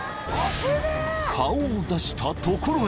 ［顔を出したところへ］